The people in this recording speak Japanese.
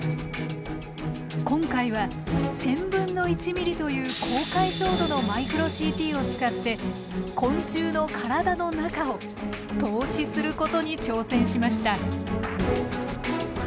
今回は１０００分の１ｍｍという高解像度のマイクロＣＴを使って昆虫の体の中を透視することに挑戦しました。